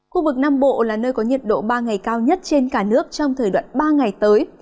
khu vực nam bộ là nơi có nhiệt độ ba ngày cao nhất trên cả nước trong thời đoạn ba ngày tới